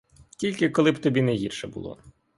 Тільки коли б тобі не гірше було.